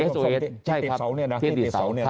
สีส้มที่ติดเสาเนี่ยนะ